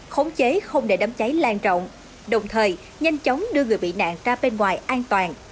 khống chế không để đấm cháy lan trọng đồng thời nhanh chóng đưa người bị nạn ra bên ngoài an toàn